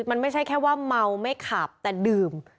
มันไม่ใช่แค่ว่าเมาไม่ขับแต่ดื่ม